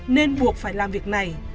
nên buộc phải làm việc này